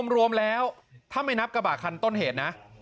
รวมแล้วถ้าไม่นับกระบะคันต้นเหตุนะ